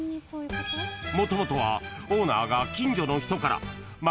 ［もともとはオーナーが近所の人から］